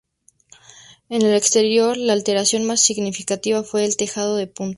En el exterior la alteración más significativa fue el tejado en punta.